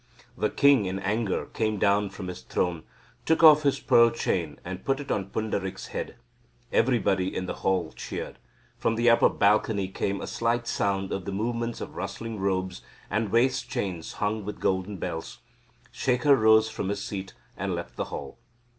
The king in anger came down from his throne took off his pearl chain and put it on Pundarik's head. Everybody in the hall cheered. From the upper balcony came a slight sound of the movements of rustling robes and waist chains hung with golden bells. Shekhar rose from his seat and left the hall.